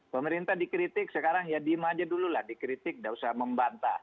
pemerintah dikritik sekarang ya diem aja dulu lah dikritik tidak usah membantah